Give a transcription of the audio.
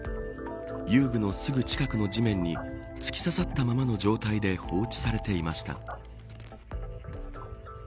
遊具のすぐ近くの地面に突き刺さったままの状態で放置されていました。